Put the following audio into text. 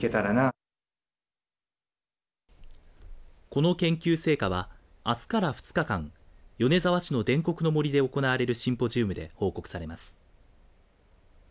この研究成果はあすから２日間米沢市の伝国の杜で行われるシンポジウムで報告されます。